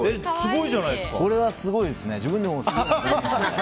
これはすごいですね。